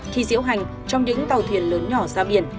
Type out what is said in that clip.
khi diễu hành trong những tàu thuyền lớn nhỏ ra biển